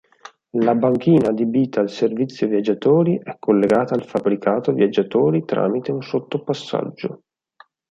La banchina adibita al servizio viaggiatori è collegata al fabbricato viaggiatori tramite un sottopassaggio.